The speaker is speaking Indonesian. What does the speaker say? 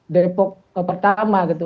depok pertama gitu